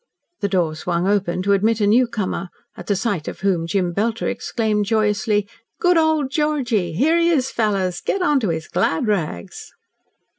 The door swung open to admit a newcomer, at the sight of whom Jem Belter exclaimed joyously: "Good old Georgie! Here he is, fellows! Get on to his glad rags."